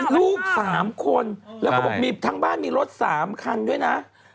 ลูก๓คนแล้วก็บอกมีทั้งบ้านมีรถ๓คันด้วยนะ